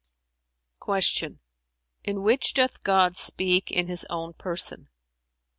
Q "In which doth God speak in his own person?"